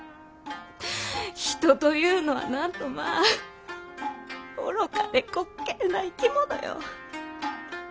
人というのはなんとまぁ愚かで滑稽な生き物よ。